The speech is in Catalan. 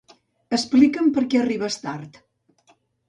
Explica'm per què arribes tard.